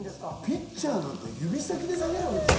ピッチャーなんか指先で投げるわけでしょ？